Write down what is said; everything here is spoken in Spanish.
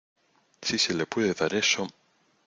si se le puede dar eso...